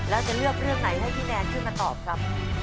แล้วจะเลือกเรื่องไหนให้พี่แนนขึ้นมาตอบครับ